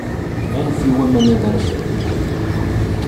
Anef i waman ad rsen.